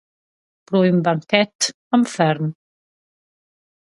Pro ün banket am ferm.